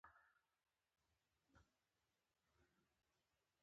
د زړه دردونه غږ نه لري